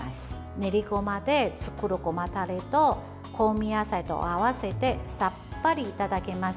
ねりごまで作るごまダレと香味野菜と合わせてさっぱりいただけます。